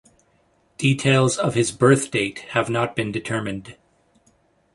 Details of his birth date have not been determined.